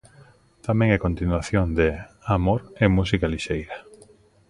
Tamén é continuación de 'Amor e música lixeira'.